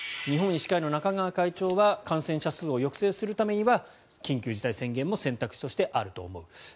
日本医師会の中川会長は感染者数を抑制するためには緊急事態宣言も選択肢としてあると思うと。